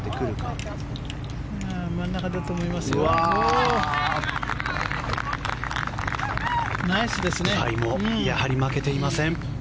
ブハイもやはり負けていません。